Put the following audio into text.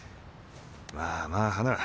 まあまあ花